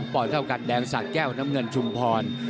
๑๑๒ปลอดเท่ากันแดงสาดแก้วน้ำเงินชุมพร